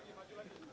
saat kita besi